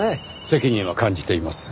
責任は感じています。